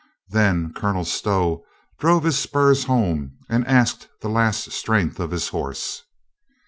Then Colonel Stow drove his spurs home and asked the last strength of his horse.